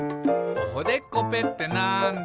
「おほでっこぺってなんだ？」